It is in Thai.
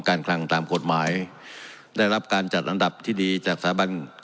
คลังตามกฎหมายได้รับการจัดลำดับที่ดีจากสถาบัน